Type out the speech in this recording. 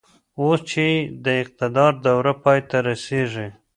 اوس چې يې د اقتدار دوره پای ته رسېږي.